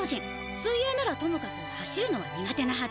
水泳ならともかく走るのは苦手なはず。